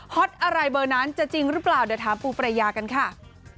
ตอะไรเบอร์นั้นจะจริงหรือเปล่าเดี๋ยวถามปูประยากันค่ะ